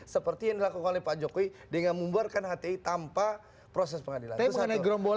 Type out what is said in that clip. seperti yang dilakukan oleh pak jokowi dengan membuarkan hti tanpa proses pengadilan